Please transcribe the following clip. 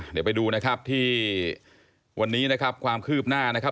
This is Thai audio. เดี๋ยวไปดูนะครับที่วันนี้นะครับความคืบหน้านะครับ